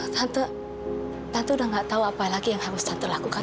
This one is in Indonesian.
tante tante udah gak tahu apa lagi yang harus tante lakukan